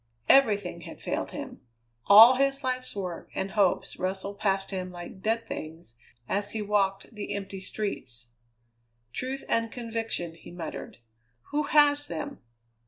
Everything had failed him. All his life's work and hopes rustled past him like dead things as he walked the empty streets. "Truth and conviction," he muttered. "Who has them?